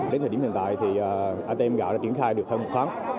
đến thời điểm hiện tại thì atm gạo đã triển khai được hơn một tháng